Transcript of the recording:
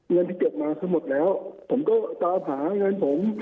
เงินที่เก็บมาคือหมดแล้วผมก็ตามหาเงินผม